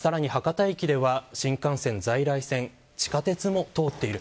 さらに博多駅には新幹線在来線、地下鉄も通っている。